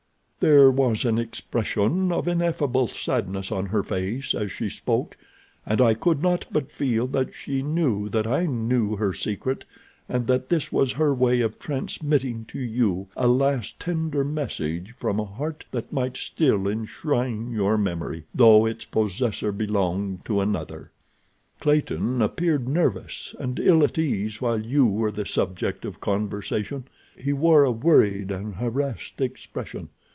There was an expression of ineffable sadness on her face as she spoke, and I could not but feel that she knew that I knew her secret, and that this was her way of transmitting to you a last tender message from a heart that might still enshrine your memory, though its possessor belonged to another. Clayton appeared nervous and ill at ease while you were the subject of conversation. He wore a worried and harassed expression.